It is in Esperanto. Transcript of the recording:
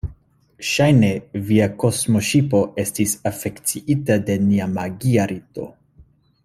Ŝajne, via kosmoŝipo estis afekciita de nia magia rito.